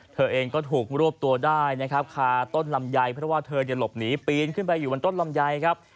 เธอเองก็ถูกรวบตัวได้นะครับคาต้นลำไยเพราะว่าเธอหลบหนีปีนขึ้นไปอยู่บนต้นลำไยครับ